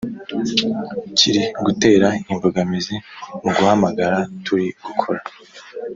Kiri gutera imbogamizi muguhamagara turi gukora